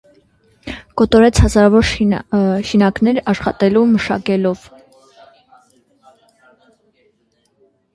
Կոտրեց հազարաւոր շինականներ, աշխատաւոր մշակներ։